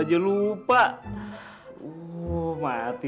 saya sudah mati